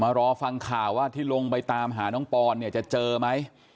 รอฟังข่าวว่าที่ลงไปตามหาน้องปอนเนี่ยจะเจอไหม